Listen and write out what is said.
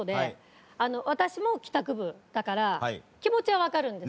私も帰宅部だから気持ちはわかるんですけど。